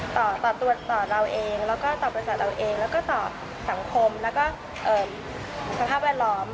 ต่อตัวต่อเราเองแล้วก็ต่อบริษัทเราเองแล้วก็ต่อสังคมแล้วก็สภาพแวดล้อม